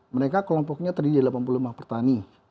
mereka kelompoknya terdiri dari delapan puluh lima pertani